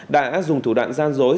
đã dùng thủ đoạn gian dối